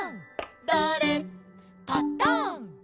「だれ？パタン」